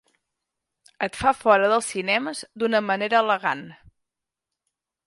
Et fa fora dels cinemes d'una manera elegant.